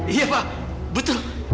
iya pak betul